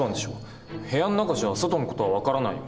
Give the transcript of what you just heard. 部屋の中じゃ外の事は分からないよ。